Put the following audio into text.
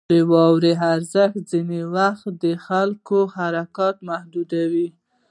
• د واورې اورښت ځینې وخت د خلکو حرکت محدودوي.